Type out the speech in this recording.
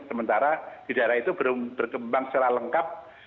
sementara di daerah itu belum berkembang secara lengkap